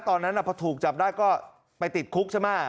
ตอนนั้นพอถูกจับได้ก็ไปติดคุกใช่ไหม